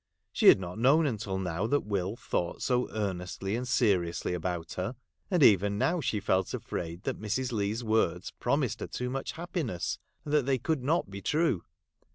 She had not known until now, that Will thought so earnestly and seriously about her ; and even now she felt afraid that Mrs. Leigh's words promised her too much hap piness, and that they could not be true.